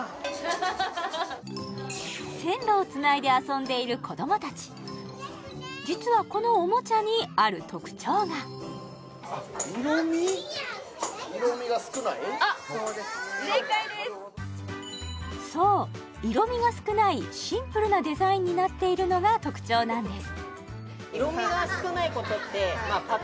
線路をつないで遊んでいる子どもたち実はこのそう色味が少ないシンプルなデザインになっているのが特徴なんです